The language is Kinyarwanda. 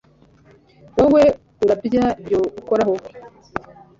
Wowe urabya ibyo ukoraho